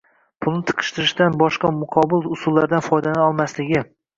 pulni tiqishtirishdan boshqa muqobil usullardan foydalana olmasligi